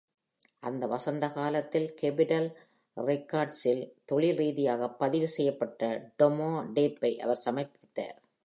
அந்த வசந்த காலத்தில் கேபிடல் ரெக்கார்ட்ஸில் தொழில் ரீதியாக பதிவு செய்யப்பட்ட டெமோ டேப்பை அவர் சமர்ப்பித்தார்.